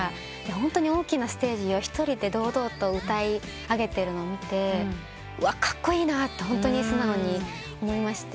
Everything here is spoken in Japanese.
ホントに大きなステージを一人で堂々と歌い上げてるのを見てカッコイイなとホントに素直に思いまして。